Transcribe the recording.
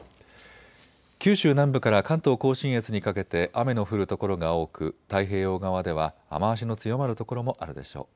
九州南部から関東甲信越にかけて雨の降る所が多く太平洋側では雨足の強まる所もあるでしょう。